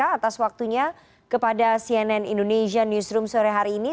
atas waktunya kepada cnn indonesia newsroom sore hari ini